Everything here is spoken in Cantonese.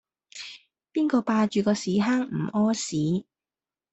邊個霸住個屎坑唔痾屎